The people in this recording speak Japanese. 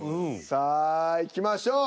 さあいきましょう。